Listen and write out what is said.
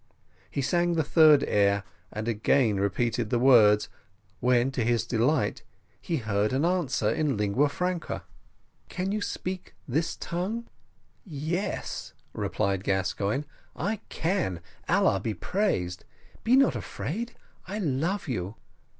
He sang the third air, and again repeated the words, when, to his delight, he heard an answer in Lingua Franca. "Can you speak in this tongue?" "Yes," replied Gascoigne, "I can, Allah be praised. Be not afraid I love you."